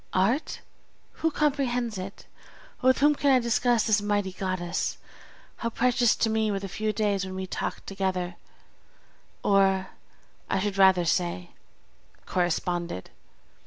Art! who comprehends it? with whom can I discuss this mighty goddess? How precious to me were the few days when we talked together, or, I should rather say, corresponded!